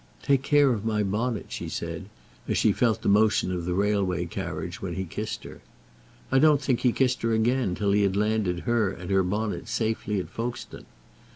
"Take care of my bonnet," she said, as she felt the motion of the railway carriage when he kissed her. I don't think he kissed her again till he had landed her and her bonnet safely at Folkestone.